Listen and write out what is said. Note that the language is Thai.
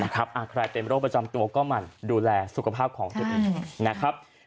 ใครเป็นโรคประจำตัวก็หมั่นดูแลสุขภาพของตัวเองนะครับ